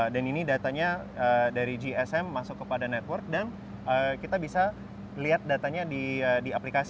dan ini datanya dari gsm masuk kepada network dan kita bisa lihat datanya di aplikasi